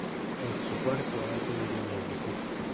È il suo quarto album di inediti.